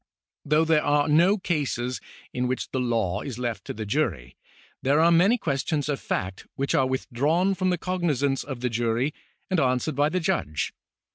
Though there are no cases in which the law is left to the jury, there are many questions of fact which are withdrawn from the cognisance of the jury and answered by the judge.